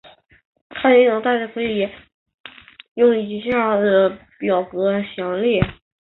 它的内容大致可以用以下的表格详列。